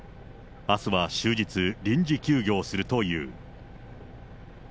あすは終日、臨時休業するという。